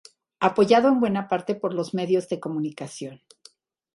Apoyado en buena parte por los medios de comunicación.